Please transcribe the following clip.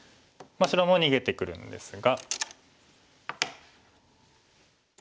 白も逃げてくるんですが。